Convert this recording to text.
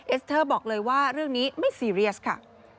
สเตอร์บอกเลยว่าเรื่องนี้ไม่ซีเรียสค่ะ